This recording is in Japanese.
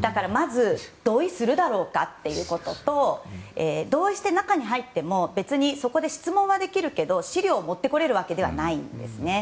だからまず同意するだろうかということと同意して中に入っても別に、そこで質問はできるけど資料を持ってこれるわけではないんですね。